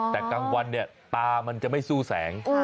แต่กลางวันเนี่ยตามันจะไม่สู้แสง